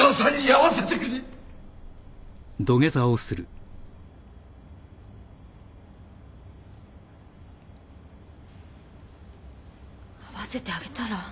会わせてあげたら？